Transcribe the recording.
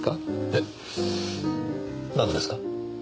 えっなんですか？